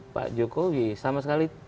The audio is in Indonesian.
pak jokowi sama sekali